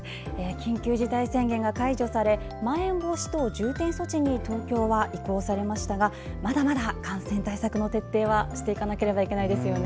緊急事態宣言が解除されまん延防止等重点措置に東京は移行されましたがまだまだ感染対策の徹底はしていかなければいけないですね。